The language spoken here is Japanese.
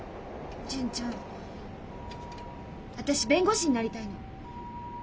純ちゃん私弁護士になりたいの。